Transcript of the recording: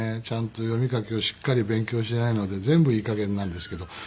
ちゃんと読み書きをしっかり勉強しないので全部いい加減なんですけど。